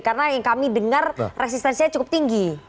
karena yang kami dengar resistensinya cukup tinggi